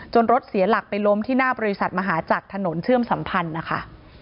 รถเสียหลักไปล้มที่หน้าบริษัทมหาจักรถนนเชื่อมสัมพันธ์นะคะ